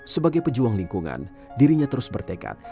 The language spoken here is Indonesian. sebagai pejuang lingkungan dirinya terus bertekad